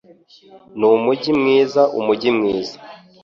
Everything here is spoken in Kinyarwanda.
Numujyi mwiza umujyi mwiza